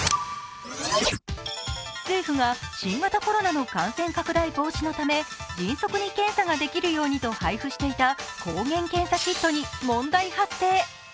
政府が新型コロナの感染拡大防止のため迅速に検査ができるようにと配布していた抗原検査キットに問題発生。